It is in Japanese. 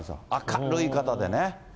明るい方でね。